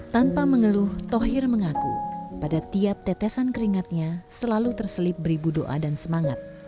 tanpa mengeluh thohir mengaku pada tiap tetesan keringatnya selalu terselip beribu doa dan semangat